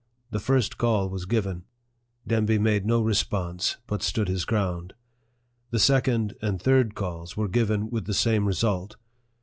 The first call was given. Demby made no response, but stood his ground. The second and third calls were given with the same result.